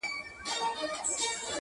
د ازل غشي ویشتلی پر ځیګر دی-